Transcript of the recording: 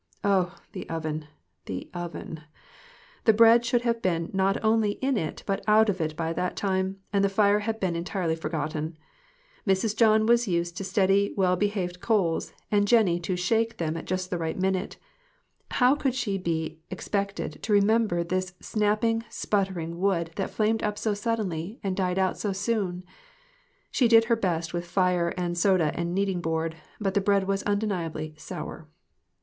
Oh, the oven, the oven ! The bread should have been not only in it, but out of it, by this time, and the fire had been forgotten entirely. Mrs. John was used to steady, well behaved coals, and Jennie to "shake" them at just the right minute; how could she be MIXED THINGS. 21 expected to remember this snapping, sputtering wood that flamed up so suddenly and died out so soon? She did her best with fire and soda and kneading board, but the bread was undeniably sour.